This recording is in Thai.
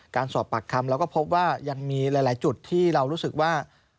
การสอบปากคำเราก็พบว่ายังมีหลายจุดที่เรารู้สึกว่า